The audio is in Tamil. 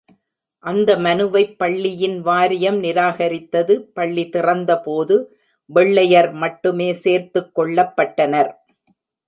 அந்த மனுவைப் பள்ளியின் வாரியம் நிராகரித்தது, பள்ளி திறந்த போது வெள்ளையர் மட்டுமே சேர்த்துக் கொள்ளப்பட்டனர்.